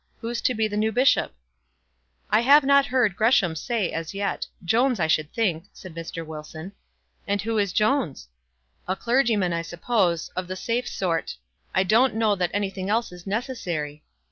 Who's to be the new bishop?" "I have not heard Gresham say as yet; Jones, I should think," said Mr. Wilson. "And who is Jones?" "A clergyman, I suppose, of the safe sort. I don't know that anything else is necessary."